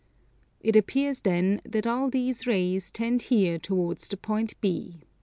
It appears then that all these rays tend here towards the point B.